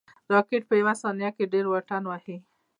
راکټ په یو ثانیه کې ډېر واټن وهي